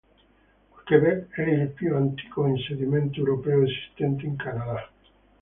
Québec è il più antico insediamento europeo esistente in Canada.